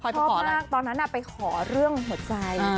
ชอบมากตอนนั้นไปขอเรื่องหัวใจ